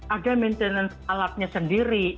ada maintenance alatnya sendiri